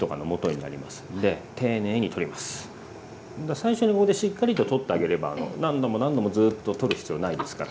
最初にここでしっかりと取ってあげれば何度も何度もずっと取る必要ないですから。